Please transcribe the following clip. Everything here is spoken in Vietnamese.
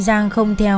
giang không theo